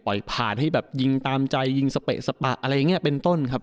ผ่านให้แบบยิงตามใจยิงสเปะสปะอะไรอย่างนี้เป็นต้นครับ